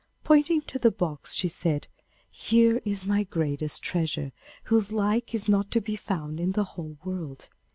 Pointing to the box, she said, 'Here is my greatest treasure, whose like is not to be found in the whole world.